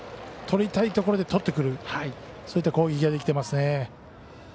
取りたいところで取ってくるそういった攻撃ができてますね。